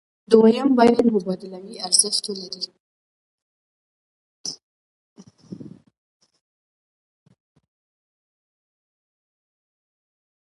دویم باید مبادلوي ارزښت ولري.